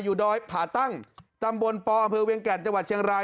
ดอยผ่าตั้งตำบลปอำเภอเวียงแก่นจังหวัดเชียงราย